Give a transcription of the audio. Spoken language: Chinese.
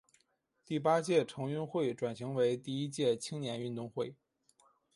第八届城运会转型为第一届青年运动会。